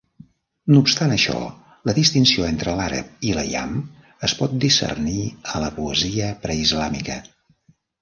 No obstant això, la distinció entre l"àrab i l"aiam es pot discernir a la poesia pre-islàmica.